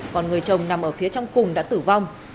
còn người chồng nằm ở phía trong cùng đã tử vong